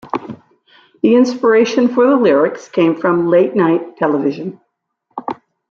The inspiration for the lyrics came from late-night television.